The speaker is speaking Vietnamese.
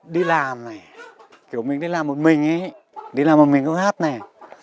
đi làm này kiểu mình đi làm một mình ấy đi làm một mình cũng hát này